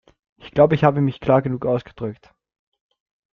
Ich glaube, ich habe mich klar genug ausgedrückt.